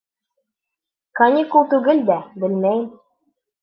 — Каникул түгел дә, белмәйем.